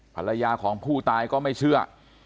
ภรรยาของผู้ตายก็ไม่เชื่อ